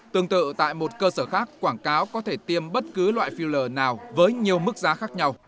tương tự tại một cơ sở khác quảng cáo có thể tiêm bất cứ loại phiêu lờ nào với nhiều mức giá khác nhau